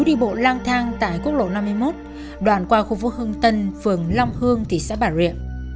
hắn đi bộ lang thang tại quốc lộ năm mươi một đoàn qua khu phố hương tân phường long hương thị xã bà rịa